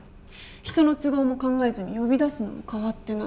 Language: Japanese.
人の都合も考えずに呼び出すのも変わってない。